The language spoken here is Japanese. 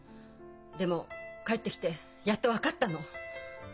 でも帰ってきてやっと分かったの。